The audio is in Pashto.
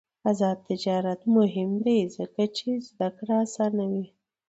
آزاد تجارت مهم دی ځکه چې زدکړه اسانوي.